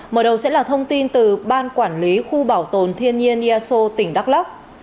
mở đầu sẽ là thông tin từ ban quản lý khu bảo tồn thiên nhiên iaso tỉnh đắk lắk